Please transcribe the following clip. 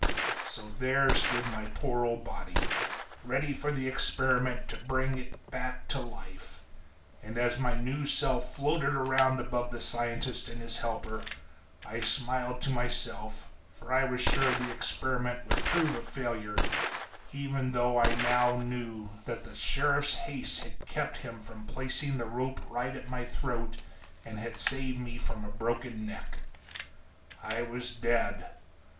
"So there stood my poor old body. Ready for the experiment to bring it back to life. And as my new self floated around above the scientist and his helper I smiled to myself, for I was sure the experiment would prove a failure, even though I now knew that the sheriff's haste had kept him from placing the rope right at my throat and had saved me a broken neck. I was dead.